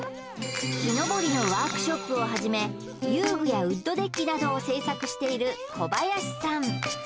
木登りのワークショップをはじめ遊具やウッドデッキなどを製作している小林さん